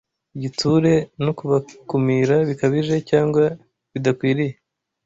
igitsure no kubakumira bikabije cyangwa bidakwiriye